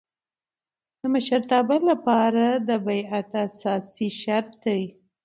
د مشرتابه له پاره بیعت اساسي شرط دئ.